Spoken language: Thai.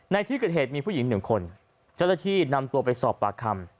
ในที่เกิดเหตุมีผู้หญิงหนึ่งคนเจ้าหน้าที่นำตัวไปสอบปากคำ